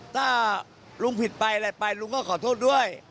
ถ้าลุงผิดไปอะไรไปลุงก็ขอโทษด้วย